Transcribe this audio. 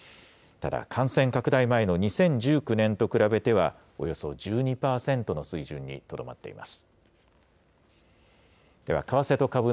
ただ、感染拡大前の２０１９年と比べては、およそ１２％の水準にとどまっています。